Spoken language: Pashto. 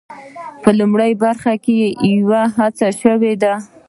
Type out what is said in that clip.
په لومړۍ برخه کې یوه هڅه شوې ده.